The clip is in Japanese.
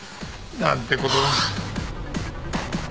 なんてことだ。